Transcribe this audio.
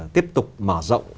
tiếp tục mở rộng